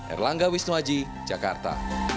erlangga wisnuaji jakarta